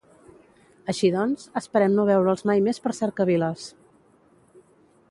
Així doncs, esperem no veure'ls mai més per cercaviles!